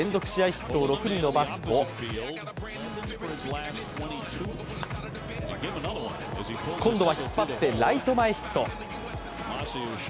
ヒットを６に伸ばすと今度は引っ張ってライト前ヒット。